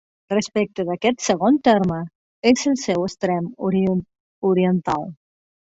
Respecte d'aquest segon terme, és al seu extrem oriental.